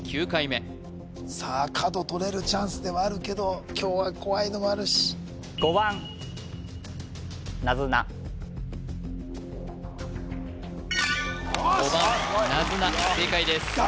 ９回目さあ角取れるチャンスではあるけど今日は怖いのもあるし５番なずな正解です